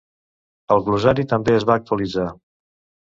El glossari també es va actualitzar.